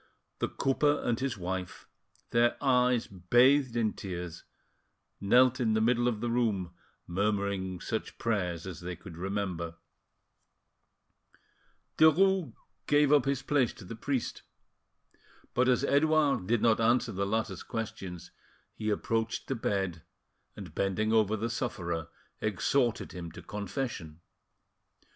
The cooper and his wife, their eyes bathed in tears, knelt in the middle of the room, murmuring such prayers as they could remember. Derues gave up his place to the priest, but as Edouard did not answer the latter's questions, he approached the bed, and bending over the sufferer, exhorted him to confession.